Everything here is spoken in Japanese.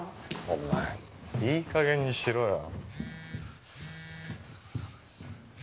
お前いい加減にしろよ